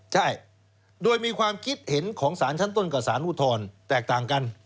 ใช่โดยมีความคิดเห็นของสารชั้นต้นกับสารอุทธรณ์แตกต่างกัน